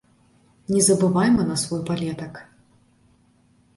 Не забывайма на свой палетак.